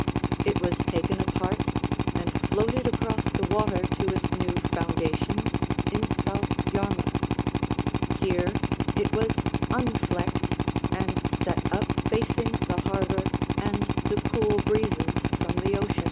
It was taken apart and floated across the water to its new foundations in South Yarmouth. Here it was "unflecked" and set up facing the harbor and the cool breezes from the ocean.